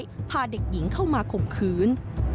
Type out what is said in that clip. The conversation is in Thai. พาเด็กหญิงเข้ามาข่มขืน